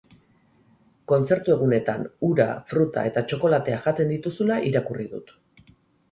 Kontzertu egunetan, ura, fruta eta txokolatea jaten dituzula irakurri dut.